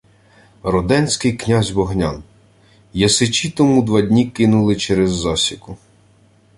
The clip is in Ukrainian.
— Роденський князь Вогнян. Ясичі тому два дні кинули через засіку.